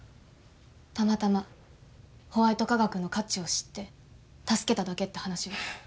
たまたまホワイト化学の価値を知って助けただけって話。